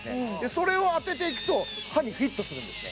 それを当てていくと歯にフィットするんですね